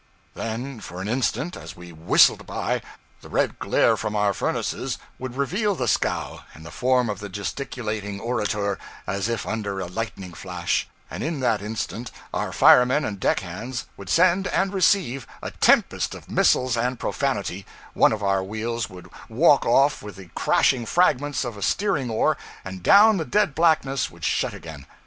Then for an instant, as we whistled by, the red glare from our furnaces would reveal the scow and the form of the gesticulating orator as if under a lightning flash, and in that instant our firemen and deck hands would send and receive a tempest of missiles and profanity, one of our wheels would walk off with the crashing fragments of a steering oar, and down the dead blackness would shut again.